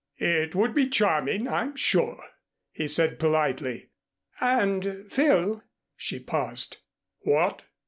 "It would be charming, I'm sure," he said politely. "And, Phil " She paused. "What?"